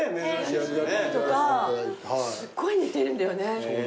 すっごい似てるんだよね。